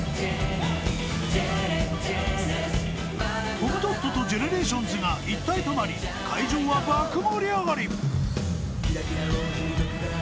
［コムドットとＧＥＮＥＲＡＴＩＯＮＳが一体となり会場は爆盛り上がり］